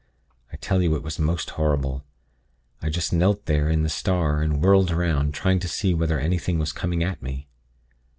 I tell you it was most horrible. I just knelt there in the star, and whirled 'round, trying to see whether anything was coming at me.